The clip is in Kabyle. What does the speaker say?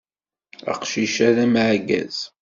Aqcic-a d ameɛgaz.